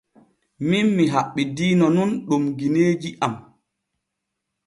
Min mi haɓɓidiino nun ɗum gineeji am.